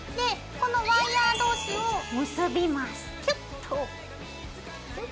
このワイヤー同士を結びます。